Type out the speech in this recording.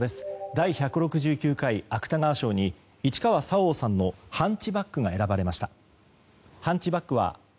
第１６９回芥川賞に市川沙央さんの「ハンチバック」が選ばれました。